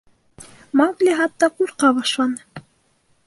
Маугли хатта ҡурҡа башланы.